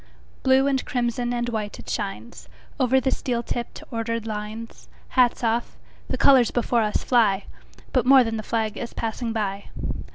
Blue and crimson and white it shines, Over the steel tipped, ordered lines. Hats off! The colors before us fly; But more than the flag is passing by.